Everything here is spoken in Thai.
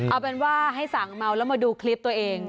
เอาเป็นว่าให้สั่งเมาแล้วมาดูคลิปตัวเอง